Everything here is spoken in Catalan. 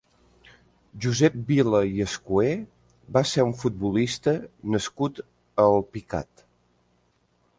Josep Vila i Escuer va ser un futbolista nascut a Alpicat.